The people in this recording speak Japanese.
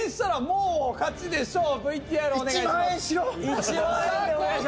ＶＴＲお願いします。